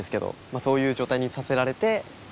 そういう状態にさせられて。